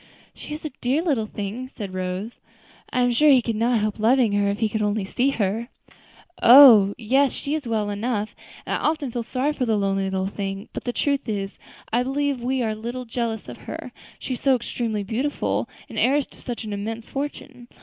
"She is a dear little thing," said Rose. "I am sure he could not help loving her, if he could only see her." "Oh! yes, she is well enough, and I often feel sorry for the lonely little thing, but the truth is, I believe we are a little jealous of her; she is so extremely beautiful, and heiress to such an immense fortune.